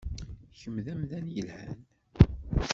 Kemm d amdan yelhan.